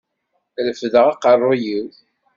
Refdeɣ aqerruy-iw.